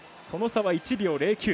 その差は１秒０９。